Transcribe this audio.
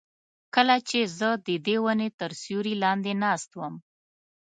کله چې زه ددې ونې تر سیوري لاندې ناست وم.